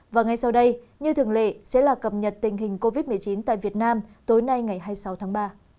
và ngay sau đây như thường lệ sẽ là cập nhật tình hình covid một mươi chín tại việt nam tối nay ngày hai mươi sáu tháng ba